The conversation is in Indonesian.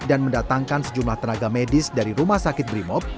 dan mendatangkan sejumlah tenaga medis dari rumah sakit brimob